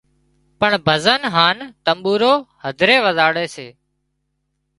پڻ ڀزن هانَ تمٻورو هڌري وزاڙي سي